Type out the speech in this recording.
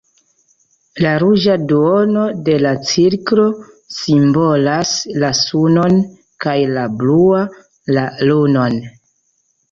La ruĝa duono de la cirklo simbolas la sunon, kaj la blua la lunon.